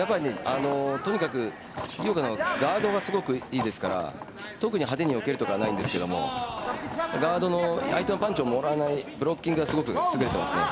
とにかく、井岡のガードがすごくいいですから特に派手によけるとかはないんですけれども、ガードの、相手のパンチをもらわないブロッキングがすごく優れていますね。